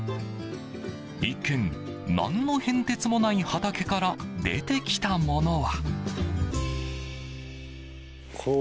一見、何の変哲もない畑から出てきたものは。